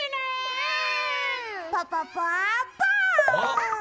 うん！